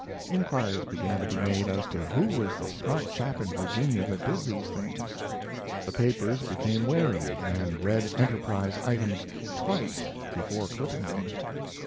Inquiries began to be made as to who was the smart chap in Virginia that did these things. The papers became wary and read Enterprise items twice before clipping them.